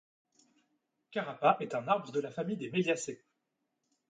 Carapa est un arbre de la famille des Meliaceae.